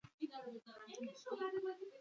ایا ستاسو مخ به سپین وي؟